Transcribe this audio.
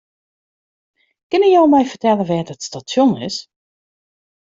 Kinne jo my fertelle wêr't it stasjon is?